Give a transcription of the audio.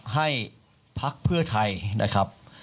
พักเพื่อไทยนะครับ